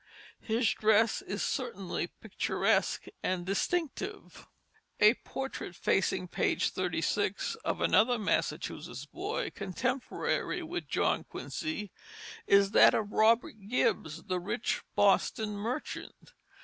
His dress is certainly picturesque and distinctive. A portrait, facing page 36, of another Massachusetts boy, contemporary with John Quincy, is that of Robert Gibbs, the rich Boston merchant.